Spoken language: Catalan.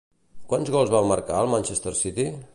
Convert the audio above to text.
Quants gols va marcar el Manchester City?